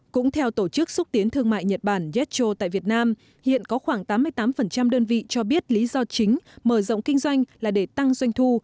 cũng theo tổ chức xúc tiến thương mại nhật bản jetro tại việt nam hiện có khoảng tám mươi tám đơn vị cho biết lý do chính mở rộng kinh doanh là để tăng doanh thu